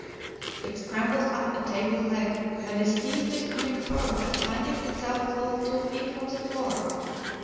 It scrambles up a table leg, and is seized with comic horror at finding itself full two feet from the floor.